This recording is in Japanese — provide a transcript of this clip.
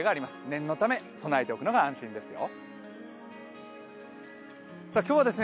念のため備えておくのが安心ですよ。